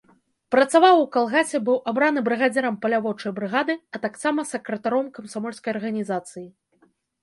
Працаваў у калгасе, быў абраны брыгадзірам паляводчай брыгады, а таксама сакратаром камсамольскай арганізацыі.